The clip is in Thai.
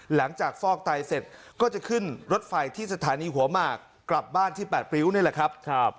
ฟอกไตเสร็จก็จะขึ้นรถไฟที่สถานีหัวหมากกลับบ้านที่๘ริ้วนี่แหละครับ